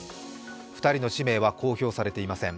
２人の氏名は公表されていません。